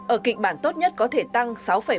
ở kịch bản tốt nhất có thể tăng sáu bốn mươi tám